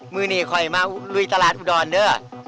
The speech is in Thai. มือหนึ่งแล้วลุยตลาดอุดลเด้อ